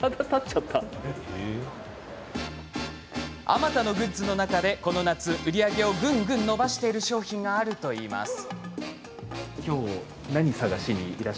あまたのグッズの中でこの夏、売り上げをぐんぐん伸ばしている商品があるといいます。